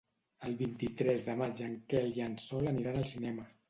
El vint-i-tres de maig en Quel i en Sol aniran al cinema.